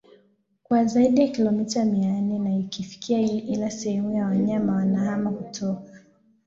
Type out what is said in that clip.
kwa zaidi ya kilomita mia nne na ikifika ile sehemu ya wanyama wanahama kutoka